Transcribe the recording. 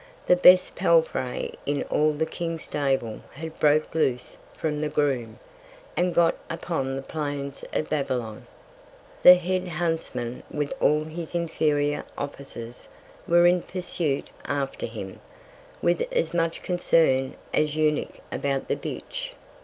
the best Palfrey in all the King's Stable had broke loose from the Groom, and got upon the Plains of Babylon. The Head Huntsman with all his inferior Officers, were in Pursuit after him, with as much Concern, as the Eunuch about the Bitch.